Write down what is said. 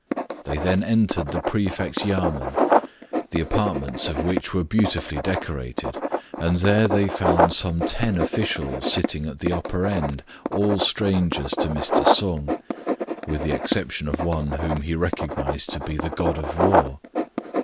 They then entered the Prefect's yamen? the apartments of which were beautifully decorated ; and there they found some ten officials sitting at the upper end, all strangers to Mr. Sung, with the exception of one whom he recognised to be the God of War.